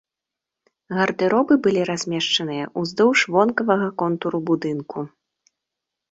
Гардэробы былі размешчаныя ўздоўж вонкавага контуру будынку.